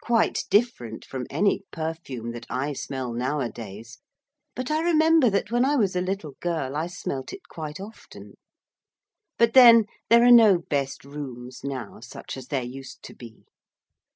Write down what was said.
Quite different from any perfume that I smell nowadays, but I remember that when I was a little girl I smelt it quite often. But then there are no best rooms now such as there used to be.